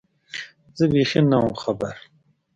زه بېخي نه وم خبر